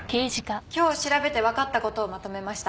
今日調べてわかった事をまとめました。